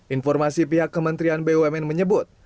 informasi pihak kementerian bumn menyebut